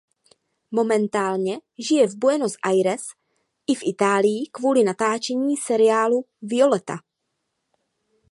Momentálně žije v Buenos Aires i v Itálii kvůli natáčení seriálu Violetta.